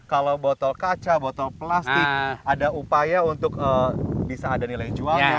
kalau botol kaca botol plastik ada upaya untuk bisa ada nilai jualnya